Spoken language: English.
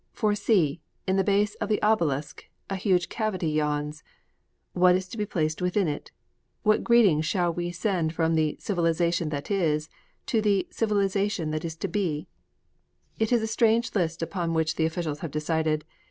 For see, in the base of the obelisk a huge cavity yawns! What is to be placed within it? What greeting shall we send from the Civilization that is to the Civilization that is to be? It is a strange list upon which the officials have decided.